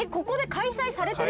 開催されてる。